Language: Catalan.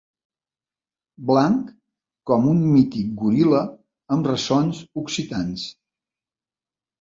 Blanc com un mític goril·la amb ressons occitans.